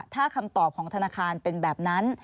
ถ้าคำตอบของธนาคารเป็นแบบนั้น